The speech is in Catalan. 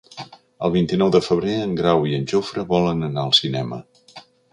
El vint-i-nou de febrer en Grau i en Jofre volen anar al cinema.